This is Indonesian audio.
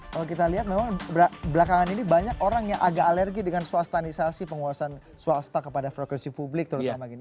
kalau kita lihat memang belakangan ini banyak orang yang agak alergi dengan swastanisasi penguasaan swasta kepada frekuensi publik terutama gini